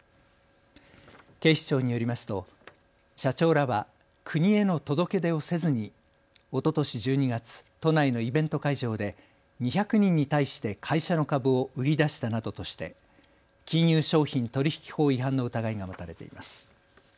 警視庁によりますと社長らは国への届け出をせずにおととし１２月、都内のイベント会場で２００人に対して会社の株を売り出したなどとして金融商品取引法違反の疑いが持たれています。